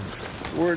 おい！